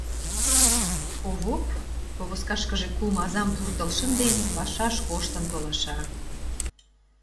Овоп, повозкашкыже кум азам пуртыл шынден, пашаш коштын толаша.